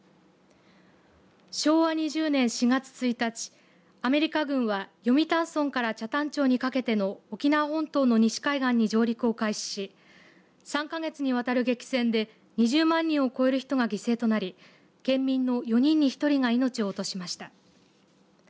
昭和２０年４月１日アメリカ軍は読谷村から北谷町にかけての沖縄本島の西海岸に上陸を開始し３か月にわたる激戦で２０万人を超える人が犠牲となり県民の４人に１人が命を落としました。